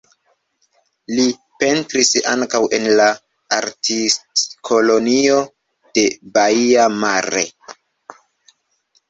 Li pentris ankaŭ en la Artistkolonio de Baia Mare.